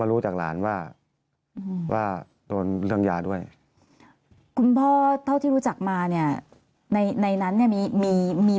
รู้จากหลานว่าว่าโดนเรื่องยาด้วยคุณพ่อเท่าที่รู้จักมาเนี่ยในในนั้นเนี่ยมีมี